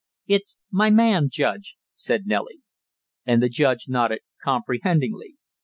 "It's my man, Judge " said Nellie. And the judge nodded comprehendingly.